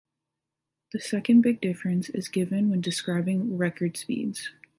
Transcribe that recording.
The second big difference is given when describing record speeds.